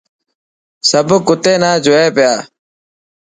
سڀ ڪوتي نا جوئي پيا.